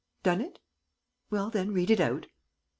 ... Done it? ... Well, then, read it out."